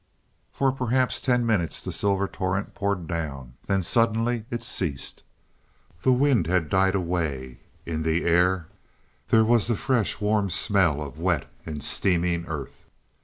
For perhaps ten minutes the silver torrent poured down. Then suddenly it ceased. The wind had died away; in the air there was the fresh warm smell of wet and steaming earth.